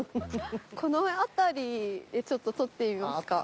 この辺りでちょっと撮ってみますか。